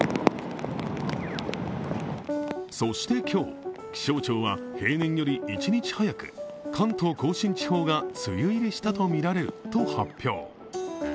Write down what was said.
そして今日、気象庁は平年より１日早く関東甲信地方が梅雨入りしたとみられると発表。